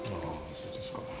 そうですか。